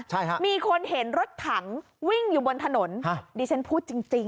ใช่ครับมีคนเห็นรถถังวิ่งอยู่บนถนนดิฉันพูดจริง